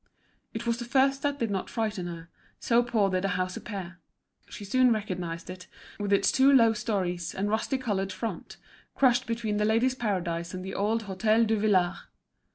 It was the first that did not frighten her, so poor did the house appear. She soon recognised it, with its two low storeys, and rusty coloured front, crushed between The Ladies' Paradise and the old Hôtel Duvillard.